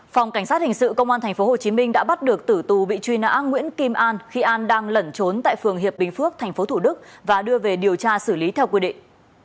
phòng cảnh sát hình sự công an tp hcm đã bắt được tử tù bị truy nã nguyễn kim an khi an đang lẩn trốn tại phường hiệp bình phước tp thủ đức và đưa về điều tra xử lý theo quy định